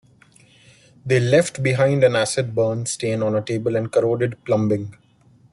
They left behind an acid burn stain on a table and corroded plumbing.